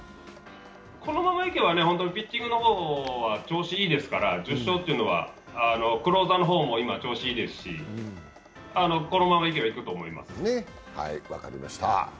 このままいけばピッチングの方は調子いいですから、１０勝というのはクローザーの方も今、調子いいですし、このままいけばいくと思います。